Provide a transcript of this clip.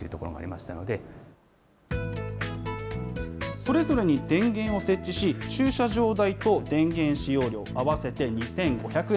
それぞれに電源を設置し、駐車場代と電源使用料合わせて２５００円。